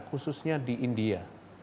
khususnya di india